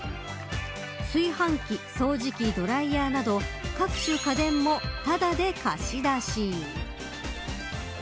炊飯器、掃除機、ドライヤーなど各種家電もただで貸し出し。